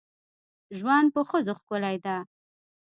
ژوند په ښځو ښکلی ده.